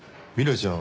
ちゃん